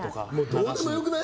どうでもよくない？